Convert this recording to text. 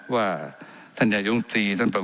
ว่าการกระทรวงบาทไทยนะครับ